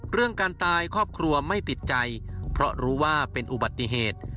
เรื่องการตายครอบครัวไม่ติดใจเพราะรู้ว่าเป็นอุบัติเหตุ